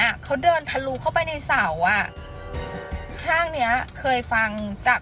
อ่ะเขาเดินทะลุเข้าไปในเสาอ่ะห้างเนี้ยเคยฟังจาก